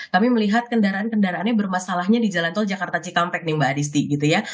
kami melihat kendaraan kendaraannya bermasalahnya di jalan tol jakarta cikampek nih mbak adisti gitu ya